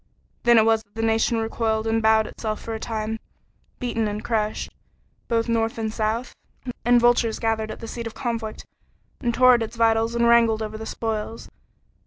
Then it was that the nation recoiled and bowed itself for a time, beaten and crushed both North and South and vultures gathered at the seat of conflict and tore at its vitals and wrangled over the spoils.